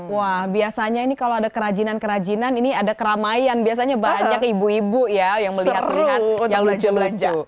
wah biasanya ini kalau ada kerajinan kerajinan ini ada keramaian biasanya banyak ibu ibu ya yang melihat yang lucu lucu